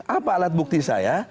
apa alat bukti saya